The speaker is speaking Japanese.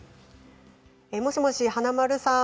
もしもし華丸さん